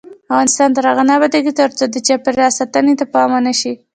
افغانستان تر هغو نه ابادیږي، ترڅو د چاپیریال ساتنې ته پام ونشي.